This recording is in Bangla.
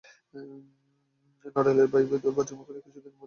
নড়ালের রায়বাবুদের বজরাখানি কিছুদিনের জন্য মঠের সামনে বাঁধা রহিয়াছে।